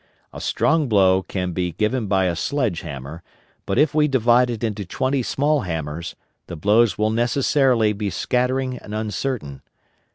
A strong blow can be given by a sledge hammer, but if we divide it into twenty small hammers, the blows will necessarily be scattering and uncertain.